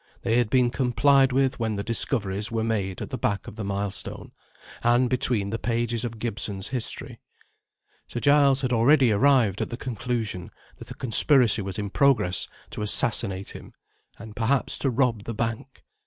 They had been complied with when the discoveries were made at the back of the milestone, and between the pages of Gibson's history. Sir Giles had already arrived at the conclusion that a conspiracy was in progress to assassinate him, and perhaps to rob the bank.